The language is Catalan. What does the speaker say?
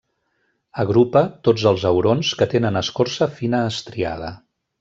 Agrupa tots els aurons que tenen escorça fina estriada.